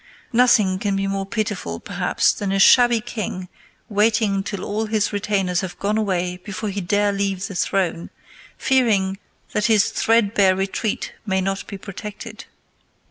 Nothing can be more pitiful, perhaps, than a shabby king waiting till all his retainers have gone away before he dare leave the throne, fearing that his threadbare retreat may not be protected.